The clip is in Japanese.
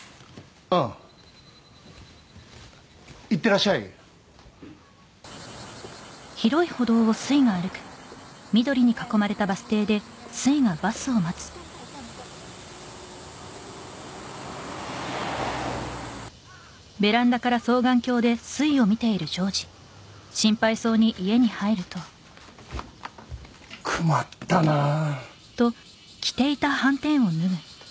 ああいってらっしゃい熊ったなあ